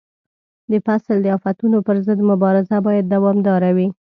د فصل د آفتونو پر ضد مبارزه باید دوامداره وي.